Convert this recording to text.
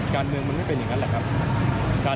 การเมืองมันไม่เป็นแบบนั้นล่ะครับ